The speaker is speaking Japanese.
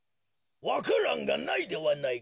わか蘭がないではないか。